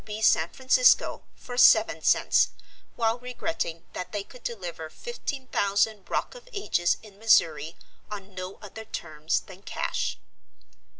b. San Francisco for seven cents, while regretting that they could deliver fifteen thousand Rock of Ages in Missouri on no other terms than cash.